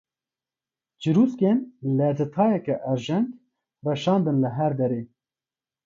Çirûskên lerzetayeke erjeng reşandin li her derê.